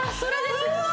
うわ！